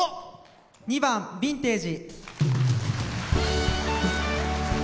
２番「ビンテージ」。